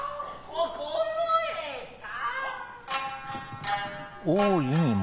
心得た。